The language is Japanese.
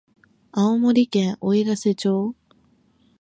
青森県おいらせ町